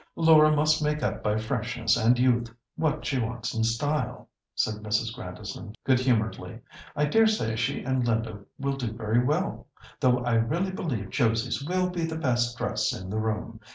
"Laura must make up by freshness and youth what she wants in style," said Mrs. Grandison good humouredly. "I dare say she and Linda will do very well, though I really believe Josie's will be the best dress in the room.